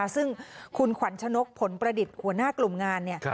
ซึ่งคุณขวัญชนกผลประดิษฐ์หัวหน้ากลุ่มงาน